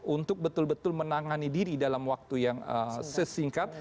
untuk betul betul menangani diri dalam waktu yang sesingkat